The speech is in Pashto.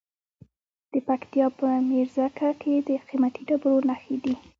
د پکتیا په میرزکه کې د قیمتي ډبرو نښې دي.